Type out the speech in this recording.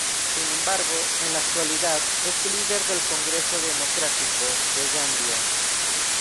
Sin embargo, en la actualidad es líder del Congreso Democrático de Gambia.